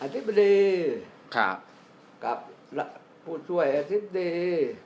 ธิบดีกับผู้ช่วยอธิบดี